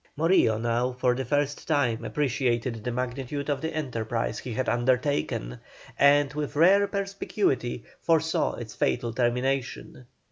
Morillo now, for the first time, appreciated the magnitude of the enterprise he had undertaken, and, with rare perspicuity, foresaw its fatal termination.